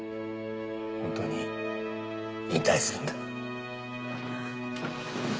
ホントに引退するんだ